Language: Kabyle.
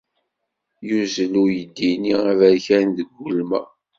Yuzzel uydi-nni aberkan deg ulma.